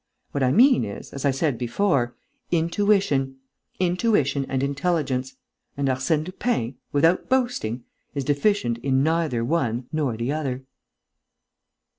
What I mean is, as I said before, intuition ... intuition and intelligence.... And Arsène Lupin, without boasting, is deficient in neither one nor the other!..."